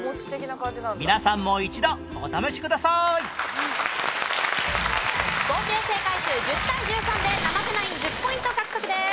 皆さんも一度お試しください合計正解数１０対１３で生瀬ナイン１０ポイント獲得です。